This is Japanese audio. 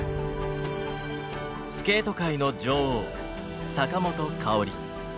スケート界の女王坂本花織。